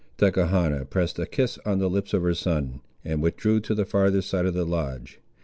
Tachechana pressed a kiss on the lips of her son, and withdrew to the farther side of the lodge.